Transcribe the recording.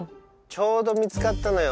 ちょうど見つかったのよ。